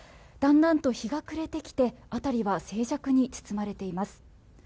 だんだんと日が暮れてきて辺りは静寂に包まれています。